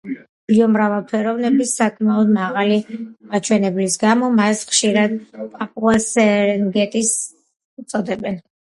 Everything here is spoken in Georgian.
ბიომრავალფეროვნების საკმაოდ მაღალი მაჩვენებლის გამო, მას ხშირად „პაპუას სერენგეტის“ უწოდებენ.